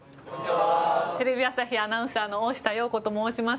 テレビ朝日アナウンサーの大下容子と申します。